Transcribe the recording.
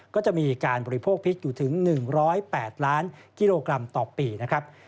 ก็จะมีการบริโภคพิษอยู่ถึง๑๐๘ล้านกิโลกรัมต่อปีนะครับ